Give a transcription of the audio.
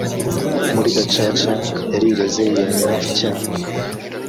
muri gacaca yarireze yemera icyaha